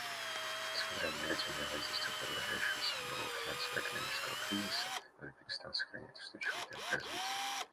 Несмотря на негативное воздействие продолжающегося мирового финансово-экономического кризиса, Узбекистан сохраняет устойчивые темпы развития.